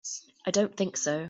I don't think so.